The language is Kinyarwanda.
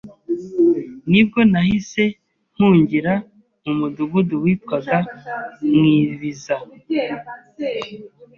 nibwo nahise mpungira mu mudugudu witwaga mu Ibiza